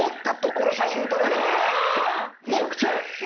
むちゃくちゃや！